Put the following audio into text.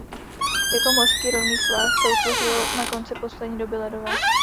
Jako mořský rovný svah se utvořilo na konci poslední doby ledové.